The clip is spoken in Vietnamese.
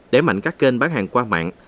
để mạnh các kênh bán hàng qua mạng